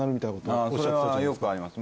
あそれはよくあります。